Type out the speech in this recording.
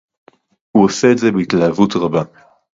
הוא עושה את זה בהתלהבות רבה